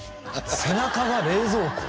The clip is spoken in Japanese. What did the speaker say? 背中が冷蔵庫？